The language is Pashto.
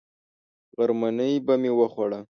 غرمنۍ به مې وخوړه.